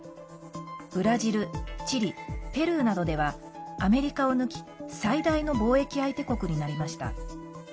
ブラジル、チリ、ペルーなどではアメリカを抜き最大の貿易相手国になりました。